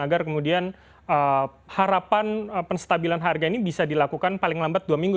agar kemudian harapan penstabilan harga ini bisa dilakukan paling lambat dua minggu